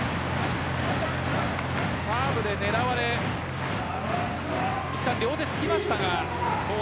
サーブで狙われいったん、両手つきましたが。